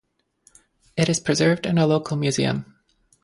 It is preserved in a local museum.